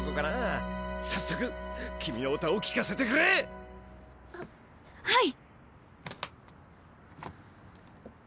さっそく君の歌をきかせてくれ！ははい！